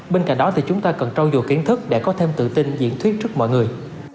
bên cạnh đó thì chúng ta cần trau dồi kiến thức để có thêm tự tin diễn thuyết trước mọi người